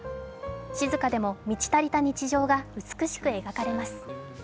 静かでも満ち足りた日常が美しく描かれます。